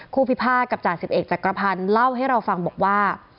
คู่พิพาทกับจ่า๑๑จักรพรรณเล่าให้เราฟังบอกว่า